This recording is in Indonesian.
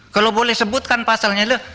kalau boleh sebutkan pasalnya itu